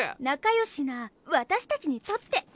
仲よしな私たちにとって。